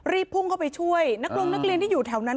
พุ่งเข้าไปช่วยนักลงนักเรียนที่อยู่แถวนั้น